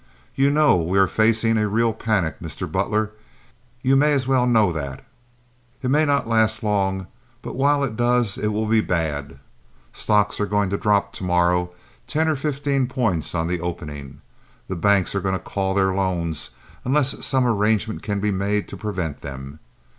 You know we are facing a real panic. Mr. Butler, you may as well know that. It may not last long, but while it does it will be bad. Stocks are going to drop to morrow ten or fifteen points on the opening. The banks are going to call their loans unless some arrangement can be made to prevent them.